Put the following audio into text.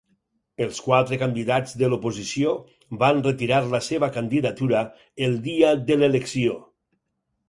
Els quatre candidats de l'oposició van retirar la seva candidatura al dia de l'elecció.